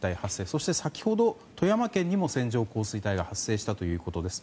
そして先ほど、富山県にも線状降水帯が発生したということです。